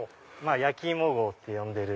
焼き芋号って呼んでる。